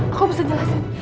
aku bisa jelasin